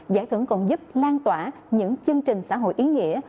giải thưởng còn giúp lan tỏa những chương trình xã hội ý nghĩa